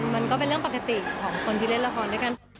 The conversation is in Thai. มันก็เป็นเรื่องปกติของคนที่เล่นละครด้วยกัน